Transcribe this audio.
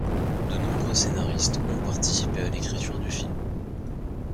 De nombreux scénaristes ont participé à l'écriture du film.